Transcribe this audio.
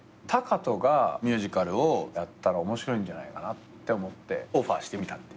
学仁がミュージカルをやったら面白いんじゃないかなって思ってオファーしてみた。